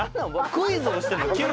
クイズをしてるの？